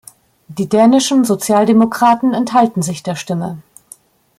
Die dänischen Sozialdemokraten enthalten sich der Stimme.